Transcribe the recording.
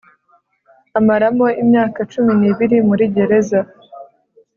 Amaramo imyaka cumi n’ibiri muri gereza